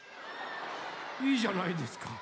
いいじゃないですか。